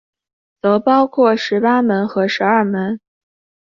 则包括十八门和十二门。